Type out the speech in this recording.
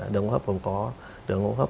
đường hô hấp không có đường hô hấp